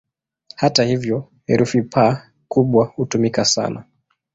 Hata hivyo, herufi "P" kubwa hutumika sana.